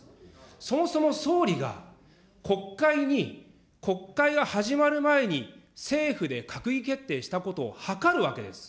そもそも総理が、国会に、国会が始まる前に、政府で閣議決定したことを諮るわけです。